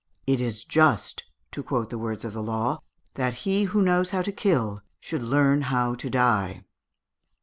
"It is just," to quote the words of the law, "that he who knows how to kill should learn how to die."